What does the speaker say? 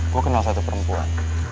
gua kenal satu perempuan